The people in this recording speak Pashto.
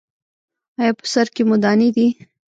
ایا په سر کې مو دانې دي؟